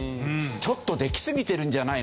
ちょっとできすぎてるんじゃないの？